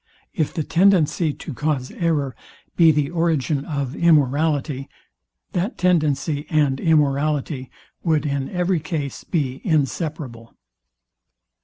If the tendency to cause error be the origin of immorality, that tendency and immorality would in every case be inseparable.